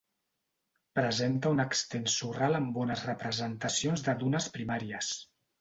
Presenta un extens sorral amb bones representacions de dunes primàries.